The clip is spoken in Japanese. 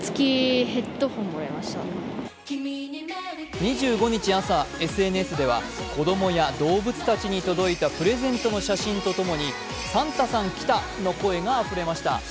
２５日朝、ＳＮＳでは子供や動物たちのプレゼントの写真とともにサンタさん来たの声があふれました。